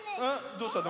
どうしたの？